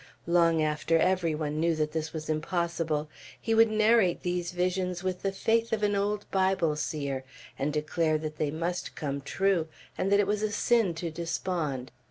Long after every one knew that this was impossible, he would narrate these visions with the faith of an old Bible seer, and declare that they must come true, and that it was a sin to despond.